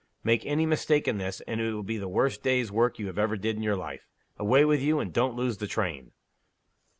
Make any mistake in this, and it will be the worst day's work you ever did in your life. Away with you, and don't lose the train."